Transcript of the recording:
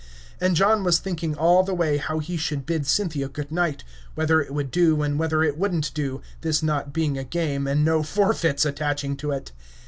And John was thinking all the way how he should bid Cynthia good night; whether it would do and whether it wouldn't do, this not being a game, and no forfeits attaching to it.